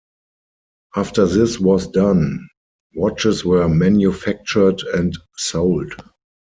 After this was done, watches were manufactured and sold.